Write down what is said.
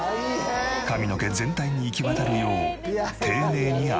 髪の毛全体に行き渡るよう丁寧に洗う。